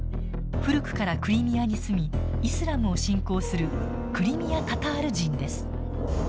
古くからクリミアに住みイスラムを信仰するクリミア・タタール人です。